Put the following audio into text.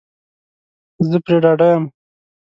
زه پری ډاډه یم